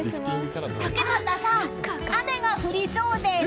竹俣さん、雨が降りそうです。